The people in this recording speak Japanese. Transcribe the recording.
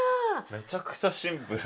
めちゃくちゃシンプル。